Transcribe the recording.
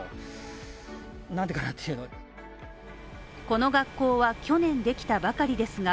この学校は去年できたばかりですが